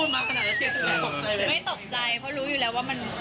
ไม่ตกใจเพราะรู้อยู่แล้วว่ามัน